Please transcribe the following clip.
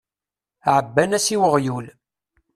Ɛebban-as i weɣyul.